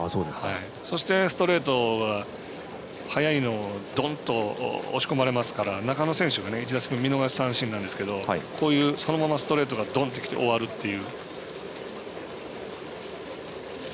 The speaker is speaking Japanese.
そして、ストレートが速いのをドンと押し込まれますから中野選手１打席目見逃し三振なんですけどそのままストレートがドンときて終わるという。